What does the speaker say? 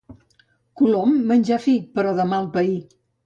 Colom, menjar fi, però de mal pair.